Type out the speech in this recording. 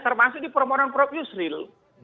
termasuk di perempuan perempuan yusril